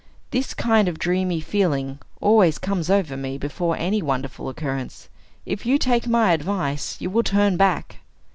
This kind of dreamy feeling always comes over me before any wonderful occurrence. If you take my advice, you will turn back."